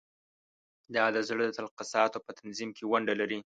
دا د زړه د تقلصاتو په تنظیم کې ونډه لري.